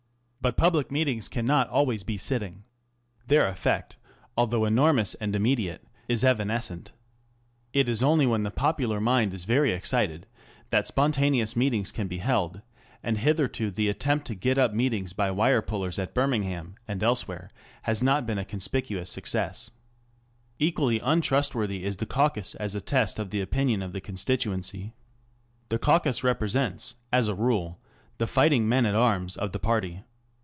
But publid meetings cannot always be sitting. Their effect, although enormpus and immediate, is evanescent. It is only when the popular mind is very excited that spontaneous meetings can be held, and hitherto the attempt to get up meetings by wire pulle*s at Birmingham and elsewhere has not been a conspicuous success. Digitized by Google GOVERNMENT BY JOURNALISM. 659 Equally untrustworthy is the caucus as a test of the opinion of the ŌĆóconstituency. The caucus represents, as a rule, the fighting men at arms of the party.